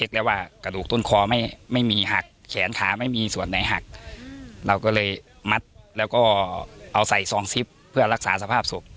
แล้วก็กระดูกต้นคอไม่มีหักแขนขาไม่มีส่วนไหนหักเราก็เลยมัดแล้วก็เอาใส่ซองซิปเพื่อรักษาสภาพศพ